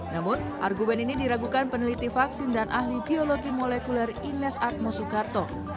namun argumen ini diragukan peneliti vaksin dan ahli biologi molekuler ines atmo soekarto